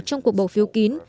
trong cuộc bỏ phiếu kín